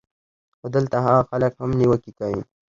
خو دلته هاغه خلک هم نېوکې کوي